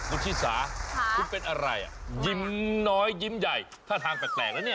คุณชิสาคุณเป็นอะไรอ่ะยิ้มน้อยยิ้มใหญ่ท่าทางแปลกนะเนี่ย